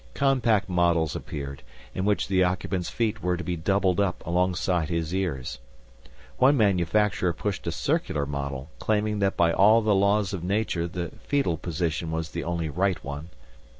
Compact models appeared, in which the occupant's feet were to be doubled up alongside his ears. One manufacturer pushed a circular model, claiming that by all the laws of nature the foetal position was the only right one.